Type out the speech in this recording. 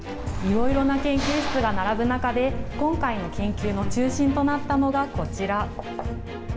いろいろな研究室が並ぶ中で、今回の研究の中心となったのがこちら。